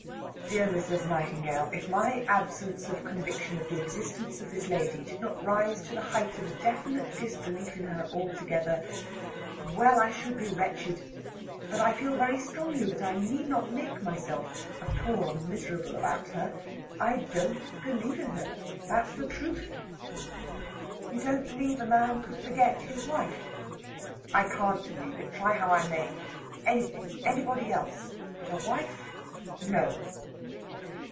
"Dear Mrs. Nightingale, if my absence of conviction of the existence of this lady did not rise to the height of a definite disbelief in her altogether well, I should be wretched. But I feel very strongly that I need not make myself a poor miserable about her. I don't believe in her, that's the truth!" "You don't believe a man could forget his wife?" "I can't believe it, try how I may! Anything anybody else but his wife, no!"